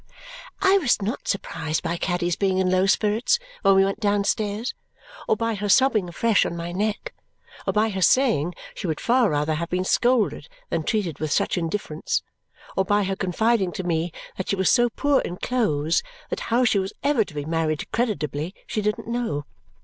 I was not surprised by Caddy's being in low spirits when we went downstairs, or by her sobbing afresh on my neck, or by her saying she would far rather have been scolded than treated with such indifference, or by her confiding to me that she was so poor in clothes that how she was ever to be married creditably she didn't know.